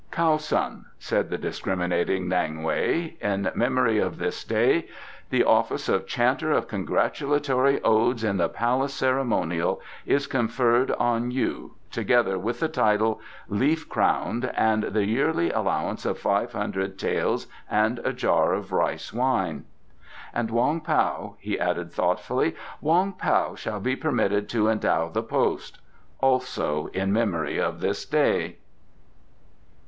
"Kiau Sun," said the discriminating N'ang Wei, "in memory of this day the office of Chanter of Congratulatory Odes in the Palace ceremonial is conferred on you, together with the title 'Leaf crowned' and the yearly allowance of five hundred taels and a jar of rice wine. And Wong Pao," he added thoughtfully "Wong Pao shall be permitted to endow the post also in memory of this day."